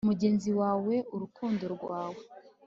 mugenzi wawe, urukundo rwawe